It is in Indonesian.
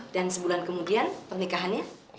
dan sebulan kemudian pernikahannya